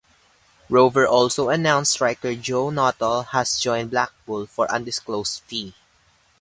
Rovers also announced striker Joe Nuttall had joined Blackpool for undisclosed fee.